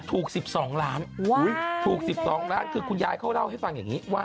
ถูกสิบสองล้านว้าวถูกสิบสองล้านคือคุณยายเขาเล่าให้ฟังอย่างงี้ว่า